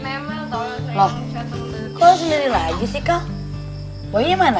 bebet memel tolong saya ngechat sama dia